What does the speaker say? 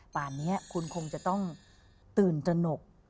ป่านนี้คุณคงจะต้องตื่นตนก